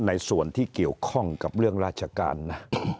ในส่วนที่เกี่ยวข้องกับเรื่องราชการนะ